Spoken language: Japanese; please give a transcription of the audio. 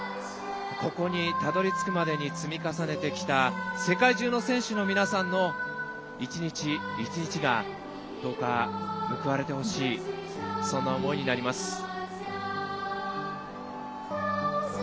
ここにたどり着くまでに積み重ねてきた世界中の選手の皆さんの１日１日がどうか報われてほしいそんな思いになります。